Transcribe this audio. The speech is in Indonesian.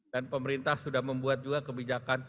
dan pemerintah sudah membuat juga kebijakan